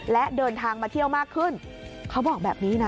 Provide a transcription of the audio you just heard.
และเดินทางมาเที่ยวมากขึ้นเขาบอกแบบนี้นะ